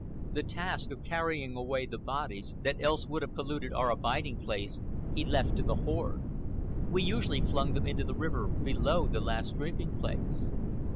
The task of carrying away the bodies, that else would have polluted our abiding place, he left to the horde. We usually flung them into the river below the last drinking place.